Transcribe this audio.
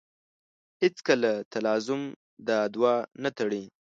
هېڅکله تلازم دا دوه نه تړي.